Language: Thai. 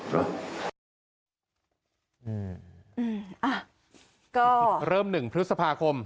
ก็เริ่ม๑พฤษภาคม